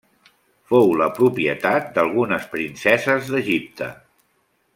Fou la propietat d'algunes princeses d'Egipte.